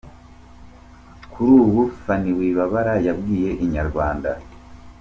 Kuri ubu Phanny Wibabara yabwiye inyarwanda.